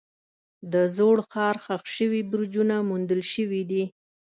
د زوړ ښار ښخ شوي برجونه موندل شوي دي.